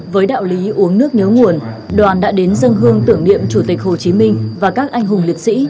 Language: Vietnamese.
với đạo lý uống nước nhớ nguồn đoàn đã đến dân hương tưởng niệm chủ tịch hồ chí minh và các anh hùng liệt sĩ